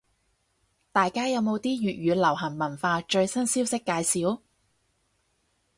大家有冇啲粵語流行文化最新消息介紹？